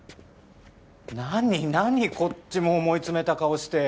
こっちも思い詰めた顔して。